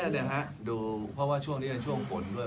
ก็แรกนะฮะดูเพราะว่าช่วงนี้ช่วงฝนด้วย